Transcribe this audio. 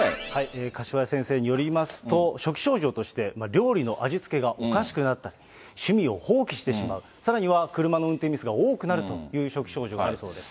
柏谷先生によりますと、初期症状として料理の味付けがおかしくなったり、趣味を放棄してしまう、さらには車の運転ミスが多くなるという初期症状があるそうです。